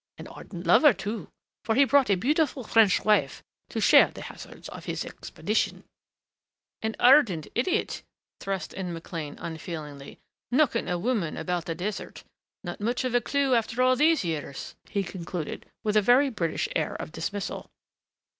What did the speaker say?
An ardent lover, too, for he brought a beautiful French wife to share the hazards of his expedition " "An ardent idiot," thrust in McLean unfeelingly. "Knocking a woman about the desert.... Not much chance of a clue after all these years," he concluded with a very British air of dismissal.